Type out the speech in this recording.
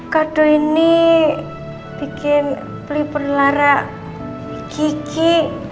kado ini bikin perlahan lahan kiki